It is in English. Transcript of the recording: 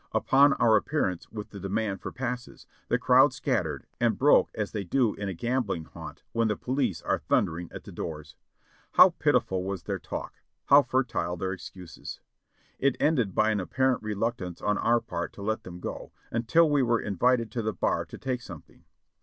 Upon our appearance with the demand for passes, the crowd scattered and broke as they do in a gambling haunt when the po lice are thundering at the doors. How pitiful was their talk — how fertile their excuses. It ended by an apparent reluctance on our part to let them go, until we were invited to the bar to take some thing.